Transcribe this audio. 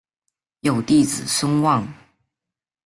有弟子孙望。